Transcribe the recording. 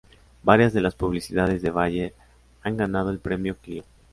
Varias de las publicidades de Bayer han ganado el premio Clio.